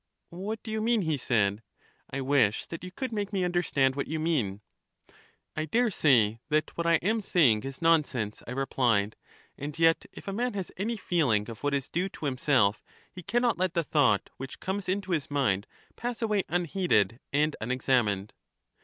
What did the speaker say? What do you mean? he said; I wish that you could make me understand what you mean. I dare say that what I am saying is nonsense, I re plied ; and yet if a man has any feeling of what is due to himself, he can not let the thought which comes into his mind pass away unheeded and unexamined.